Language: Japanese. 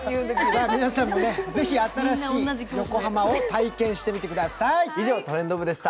皆さんもぜひ新しい横浜を体験してみてください。